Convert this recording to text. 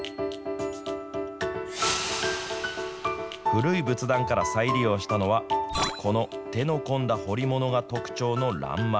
古い仏壇から再利用したのは、この手の込んだ彫り物が特徴の欄間。